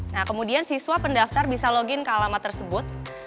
nah kemudian siswa pendaftar bisa login ke alamat tersebut